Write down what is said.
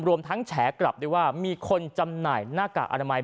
รวมทั้งแฉกลับด้วยว่ามีคนจำหน่ายหน้ากากอนามัย